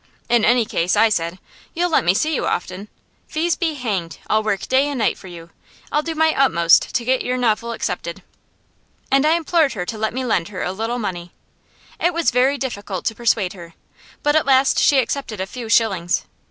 "In any case," I said, "you'll let me see you often? Fees be hanged! I'll work day and night for you. I'll do my utmost to get your novel accepted." And I implored her to let me lend her a little money. It was very difficult to persuade her, but at last she accepted a few shillings.